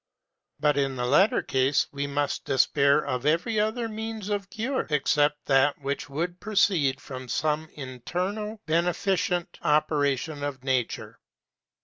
But in the latter case we must despair of every other means of cure, except that which may proceed from some internal beneficent operation of Nature.